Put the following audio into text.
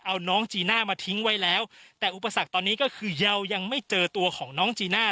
เอาน้องจีน่ามาทิ้งไว้แล้วแต่อุปสรรคตอนนี้ก็คือเรายังไม่เจอตัวของน้องจีน่า